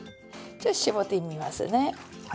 ちょっと絞ってみますね。